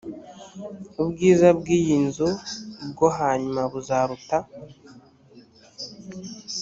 ubwiza bw iyi nzu bwo hanyuma buzaruta